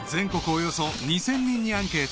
およそ２，０００人にアンケート］